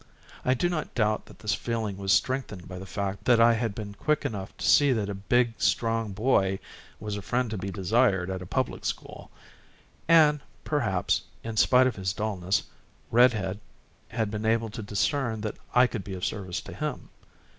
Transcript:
I do not doubt that this feeling was strengthened by the fact that I had been quick enough to see that a big, strong boy was a friend to be desired at a public school; and, perhaps, in spite of his dullness, "Red Head" had been able to discern that I could be of service to him.